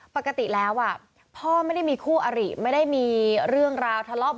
ปกติแล้วพ่อไม่ได้มีคู่อริไม่ได้มีเรื่องราวทะเลาะ